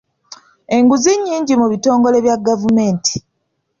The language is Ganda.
Enguzi nnyingi mu bitongole bya gavumenti.